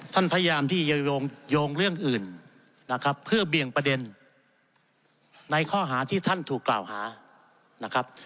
พยายามที่จะโยงเรื่องอื่นนะครับเพื่อเบี่ยงประเด็นในข้อหาที่ท่านถูกกล่าวหานะครับ